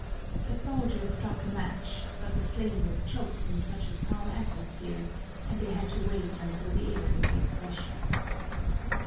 A soldier struck a match, but the flame was choked in such a foul atmosphere, and they had to wait until the air became fresher.